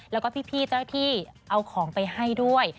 แล้วก็พี่เจ้าหน้าที่เอาของไปให้ด้วย